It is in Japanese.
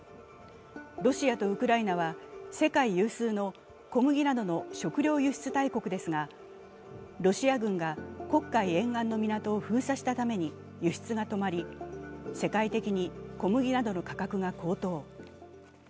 ロシアとウクライナは世界有数の小麦などの食料輸出大国ですがロシア軍が黒海沿岸の港を封鎖したために輸出が止まり、世界的に小麦などの価格が高騰。